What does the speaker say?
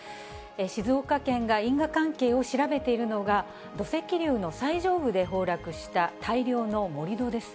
静岡県が因果関係を調べているのが、土石流の最上部で崩落した大量の盛り土です。